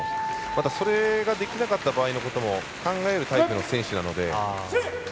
またそれができなかった場合のことを考えるタイプの選手なので。